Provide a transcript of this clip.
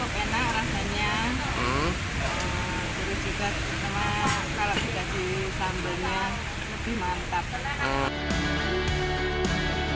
cukup enak rasanya jelas juga sama kalau diganti sambelnya lebih mantap